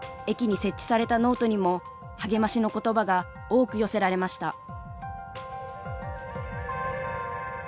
駅に設置されたノートにも励ましの言葉が多く寄せられました。